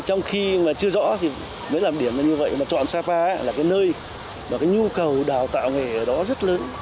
trong khi mà chưa rõ thì mới làm điểm là như vậy mà chọn sapa là cái nơi mà cái nhu cầu đào tạo nghề ở đó rất lớn